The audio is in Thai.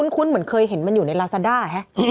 เหมือนเคยเห็นมันอยู่ในลาซาด้าฮะ